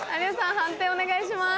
判定お願いします。